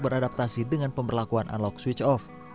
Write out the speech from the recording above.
belum siap untuk beradaptasi dengan pemberlakuan unlock switch off